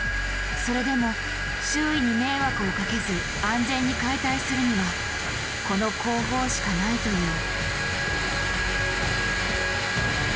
それでも周囲に迷惑をかけず安全に解体するにはこの工法しかないという。